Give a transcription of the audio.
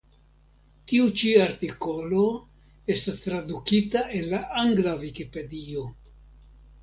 Tiu ĉi artikolo estas tradukita el la angla Vikipedio.